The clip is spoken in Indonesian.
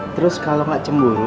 terus kalau gak cemburu